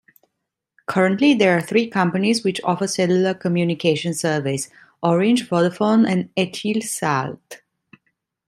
Currently, there are three companies which offer cellular communication service: Orange, Vodafone and Etisalat.